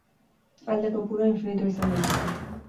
Alde kopurua infinitua izan daiteke.